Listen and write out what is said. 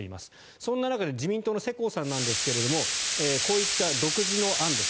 そんな中自民党の世耕さんですがこういった独自の案です。